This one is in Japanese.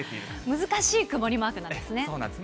難しい曇りマークなんですね。